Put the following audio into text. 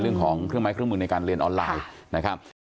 เรื่องของเครื่องไม้เครื่องมือในการเรียนออนไลน์นะครับ